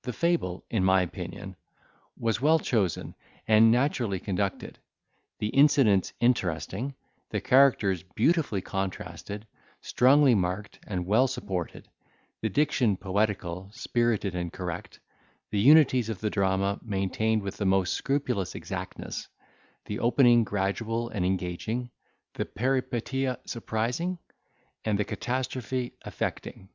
The fable, in my opinion, was well chosen and naturally conducted, the incidents interesting, the characters beautifully contrasted, strongly marked, and well supported; the diction poetical, spirited and correct; the unities of the drama maintained with the most scrupulous exactness; the opening gradual and engaging, the peripeteia surprising, and the catastrophe affecting.